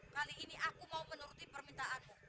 kali ini aku mau menuruti permintaanmu